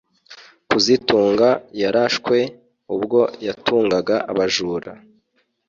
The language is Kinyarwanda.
kazitunga yarashwe ubwo yatungaga abajura